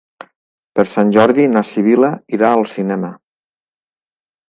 Per Sant Jordi na Sibil·la irà al cinema.